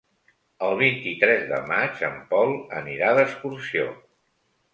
El vint-i-tres de maig en Pol anirà d'excursió.